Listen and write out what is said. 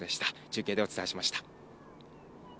中継でお伝えしました。